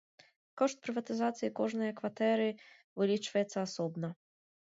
Кошт прыватызацыі кожнай кватэры вылічваецца асобна.